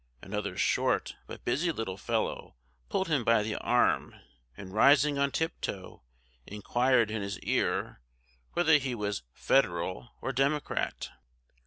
Another short but busy little fellow pulled him by the arm, and rising on tiptoe, inquired in his ear, "whether he was Federal or Democrat."